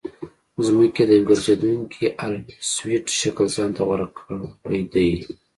ځمکې د یو ګرځېدونکي الپسویډ شکل ځان ته غوره کړی دی